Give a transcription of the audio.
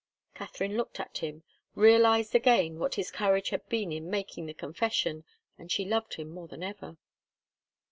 Katharine looked at him, realized again what his courage had been in making the confession, and she loved him more than ever.